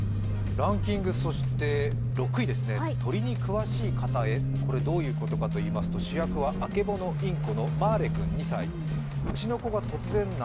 ランキング、そして６位ですね、鳥に詳しい方へ、これ、どういうことかというと主役はアケボノインコのマーレ君２歳。